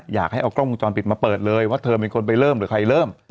อยากให้เอากล้องวงจรปิดมาเปิดเลยว่าเธอเป็นคนไปเริ่มหรือใครเริ่ม